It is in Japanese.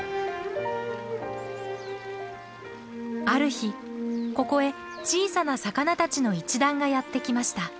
ある日ここへ小さな魚たちの一団がやって来ました。